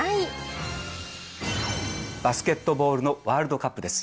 バスケットボールのワールドカップです。